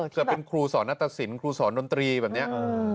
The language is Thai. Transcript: เคยเป็นครูสอนอาตตาศิลป์ครูสอนดนตรีแบบเนี่ย